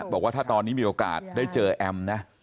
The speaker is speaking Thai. บอกว่าถ้าตอนนี้มีโอกาสได้เจอแอมนะ